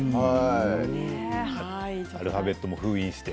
アルファベットも封印して。